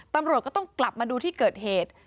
ตำรวจก็ต้องกลับมาดูที่เกิดเหตุ